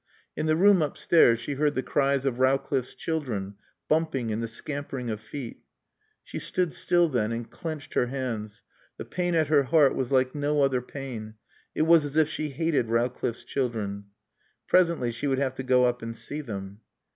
In the room upstairs she heard the cries of Rowcliffe's children, bumping and the scampering of feet. She stood still then and clenched her hands. The pain at her heart was like no other pain. It was as if she hated Rowcliffe's children. Presently she would have to go up and see them.